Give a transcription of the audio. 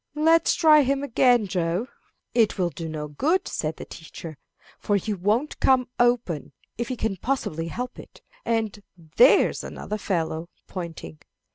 "Let's try him again, Joe." "It will do no good," said the teacher, "for he won't come open, if he can possibly help it. And there's another fellow (pointing).